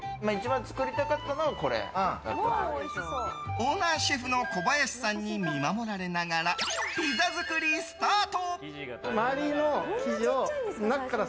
オーナーシェフの小林さんに見守られながらピザ作りスタート。